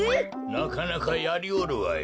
なかなかやりおるわい。